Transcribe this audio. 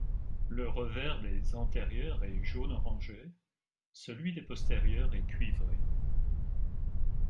Le revers des antérieures est jaune orangé, celui des postérieures est cuivré.